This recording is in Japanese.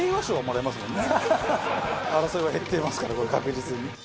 争いは減っていますから確実に。